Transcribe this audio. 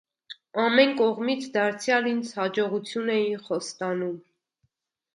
Ամեն կողմից դարձյալ ինձ հաջողություն էին խոստանում…